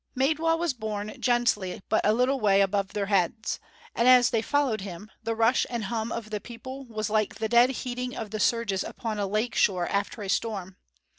Maidwa was borne gently along but a little way above their heads; and as they followed him, the rush and hum of the people was like the dead heating of the surges upon a lake shore after a storm.